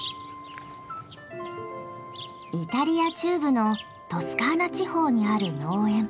イタリア中部のトスカーナ地方にある農園。